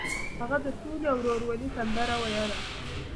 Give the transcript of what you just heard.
هغه د سولې او ورورولۍ سندره ویله.